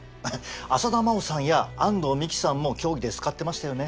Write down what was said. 浅田真央さんや安藤美姫さんも競技で使ってましたよね。